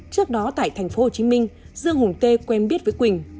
trước đó tại thành phố hồ chí minh dương hùng tê quen biết với quỳnh